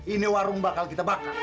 ini warung bakal kita bakar